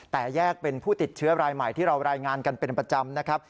แต่แยกเป็นผู้ติดเชื้อรายใหม่ที่เรารายงานกันเป็นประจำนะครับ